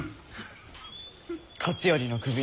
勝頼の首